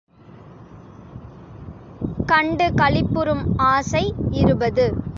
கண்டு களிப்புறும் ஆசை இருபது.